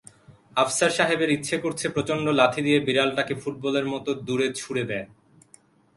আফসার সাহেবের ইচ্ছে করছে প্রচণ্ড লাথি দিয়ে বিড়ালটাকে ফুটবলের মতো দূরে ছুঁড়ে দেন।